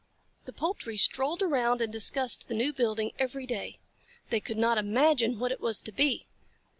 The poultry strolled around and discussed the new building every day. They could not imagine what it was to be.